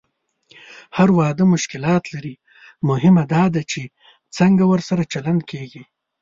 هر واده مشکلات لري، مهمه دا ده چې څنګه ورسره چلند کېږي.